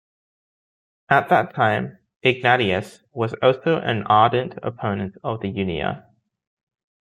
At that time, Ignatius was also an ardent opponent of the Unia.